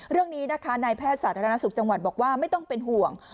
เรื่องนี้นะคะนายแพทย์สาธารณสุขจังหวัดบอกว่าไม่ต้องเป็นห่วง